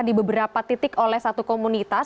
di beberapa titik oleh satu komunitas